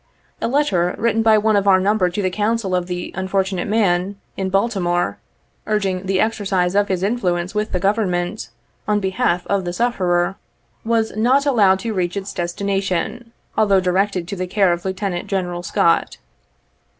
A letter, written by one of our number to the counsel of the unfortunate man, in Baltimore, urging the exercise of his influence with the Government, on behalf of the sufferer, 45 was not allowed to reach its destination, although directed to the care of Lieut. General Scott.